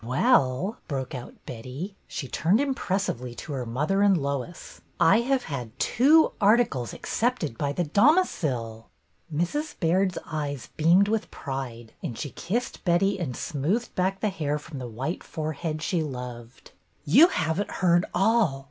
"Well!" broke out Betty. She turned im pressively to her mother and Lois. " I have had two articles accepted by The Domicile!'' Mrs. Baird's eyes beamed with pride and she kissed Betty and smoothed back the hair from the white forehead she loved. " You have n't heard all.